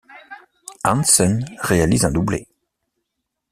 Hansen réalise un doublé.